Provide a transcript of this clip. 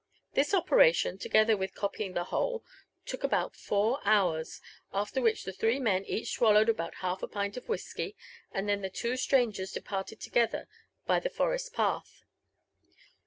This operation, together with copying the whole, took about four hours; after which the three men each swallowed about half a pint of whisky, and then the two stran gers departed together by the forest path.